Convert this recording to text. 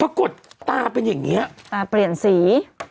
ปรากฏตาเป็นอย่างนี้ตาเปลี่ยนสี